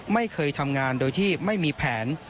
ไม่เคยทำงานโดยที่ไม่มีแผน